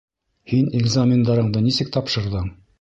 Һин экзамендарыңды нисек тапшырҙың?